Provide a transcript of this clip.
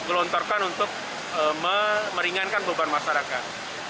jadi gelontorkan untuk meringankan beban masyarakat